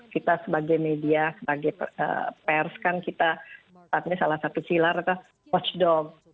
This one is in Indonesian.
kita sebagai media sebagai pers kan kita saat ini salah satu silar adalah watchdog